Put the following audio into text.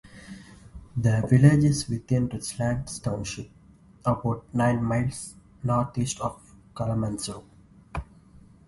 The village is within Richland Township, about nine miles northeast of Kalamazoo.